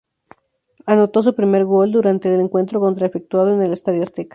Anotó su primer gol durante el encuentro contra efectuado en el Estadio Azteca.